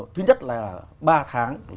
thứ nhất là ba tháng